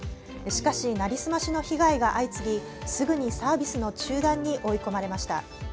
しかし成り済ましの被害が相次ぎすぐにサービスの中断に追い込まれました。